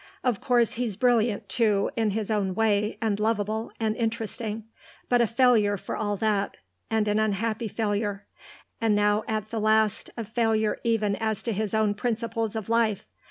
Of course he's brilliant too, in his own way, and lovable, and interesting; but a failure for all that, and an unhappy failure, and now at the last a failure even as to his own principles of life.